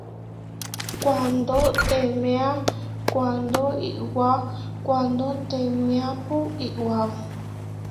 Kuándo teeméa kuándo iʼwá kuándo teeméapu iʼwao.